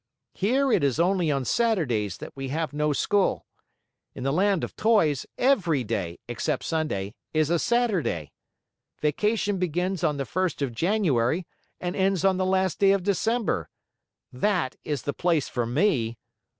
Here, it is only on Saturdays that we have no school. In the Land of Toys, every day, except Sunday, is a Saturday. Vacation begins on the first of January and ends on the last day of December. That is the place for me!